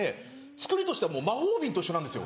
つくりとしては魔法瓶と一緒なんですよ